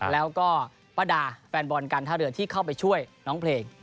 แล้วก็ป้าดาแฟนบอลการท่าเรือที่เข้าไปช่วยน้องเพลง